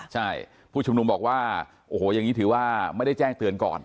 ใช่ผู้ชุมนุมบอกว่าโอ้โหอย่างนี้ถือว่าไม่ได้แจ้งเตือนก่อน